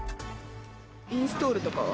インストールとかは？